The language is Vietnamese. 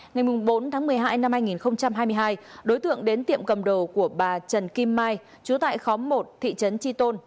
ngày bốn tháng một mươi hai năm hai nghìn hai mươi hai đối tượng đến tiệm cầm đồ của bà trần kim mai chú tại khóm một thị trấn tri tôn